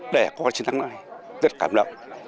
để có chiến thắng này rất cảm động